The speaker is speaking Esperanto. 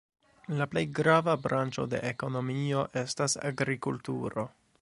La plej grava branĉo de ekonomio estas la agrikulturo.